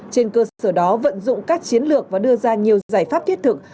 trên cơ sở đó vận dụng các chiến lược và đưa ra nhiều giải pháp thiết thực